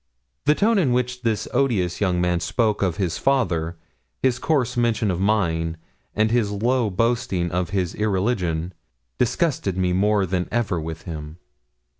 The tone in which this odious young man spoke of his father, his coarse mention of mine, and his low boasting of his irreligion, disgusted me more than ever with him.